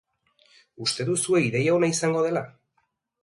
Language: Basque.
Uste duzue ideia ona izango dela?